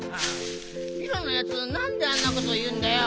ピロのやつなんであんなこというんだよ！